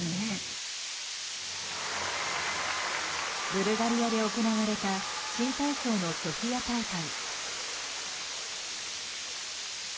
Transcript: ブルガリアで行われた新体操のソフィア大会。